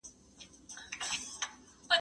هغه وويل چي نان صحي دی،